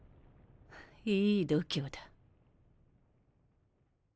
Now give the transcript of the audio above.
いい度胸だ。